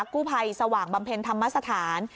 กู้ภัยสว่างบำเพ็ญธรรมสถาน